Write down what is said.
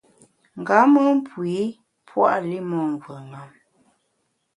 Nga mùn puo i pua’ li mon mvùeṅam.